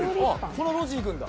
この路地行くんだ。